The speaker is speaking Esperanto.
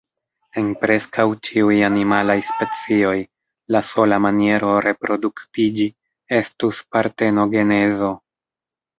En preskaŭ ĉiuj animalaj specioj, la sola maniero reproduktiĝi estus partenogenezo!